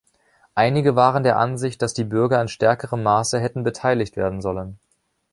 Einige waren der Ansicht, dass die Bürger in stärkerem Maße hätten beteiligt werden sollen.